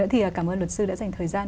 thì cảm ơn luật sư đã dành thời gian